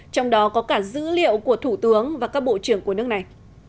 trong đó có cả dữ liệu của thủ tướng và các bộ trưởng của nước này